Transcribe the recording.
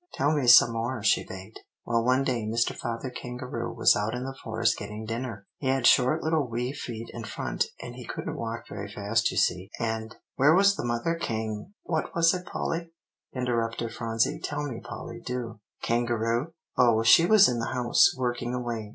"Tell me some more," she begged. "Well, one day Mr. Father Kangaroo was out in the forest getting dinner. He had short little wee feet in front, and he couldn't walk very fast you see. And" "Where was the mother kan what was it, Polly?" interrupted Phronsie. "Tell me, Polly, do." "Kangaroo? Oh, she was in the house, working away.